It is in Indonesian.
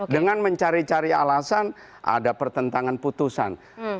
dengan mencari cari alasan ada pertentangan putusan